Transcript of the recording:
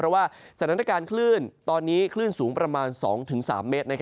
เพราะว่าสถานการณ์คลื่นตอนนี้คลื่นสูงประมาณ๒๓เมตร